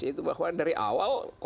itu bahwa dari awal